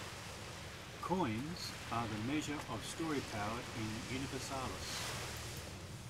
"Coins" are the measure of story power in Universalis.